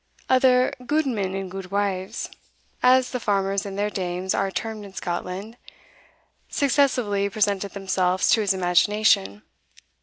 Other "gudemen and gudewives," as the farmers and their dames are termed in Scotland, successively presented themselves to his imagination.